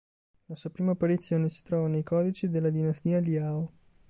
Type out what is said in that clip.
La sua prima apparizione si trova nei codici della Dinastia Liao.